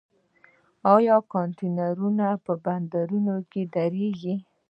آیا کانټینرونه په بندرونو کې دریږي؟